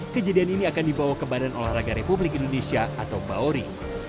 kejadian ini akan dibawa ke badan olahraga republik indonesia atau bauri